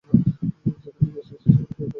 যেখান থেকে এসেছো সেখানেই ফিরে যাও।